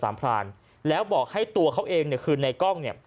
พรานแล้วบอกให้ตัวเขาเองเนี่ยคือในกล้องเนี่ย